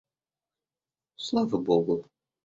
Слава Богу.